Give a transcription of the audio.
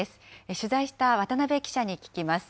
取材した渡辺記者に聞きます。